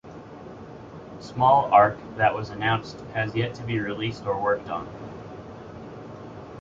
Small arc that was announced has yet to be released or worked on.